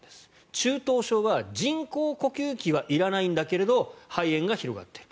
中等症は人工呼吸器はいらないんだけど肺炎が広がっている。